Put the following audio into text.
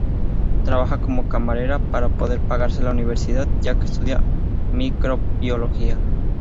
Trabaja como camarera para poder pagarse la universidad, ya que estudia microbiología.